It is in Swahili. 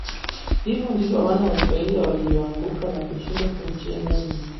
Hivyo ndivyo wana wa Israeli walivyoanguka na kushindwa kumtii Mungu